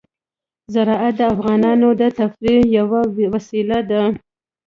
زراعت د افغانانو د تفریح یوه وسیله ده.